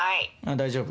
大丈夫？